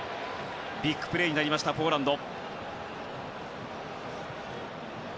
ビッグプレーになりましたポーランド。